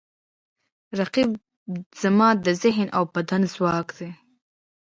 رقیب زما د ذهن او بدن ځواک دی